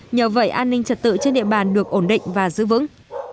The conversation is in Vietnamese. nhờ vậy an ninh trật tự trên địa bàn được ổn định và giữ vững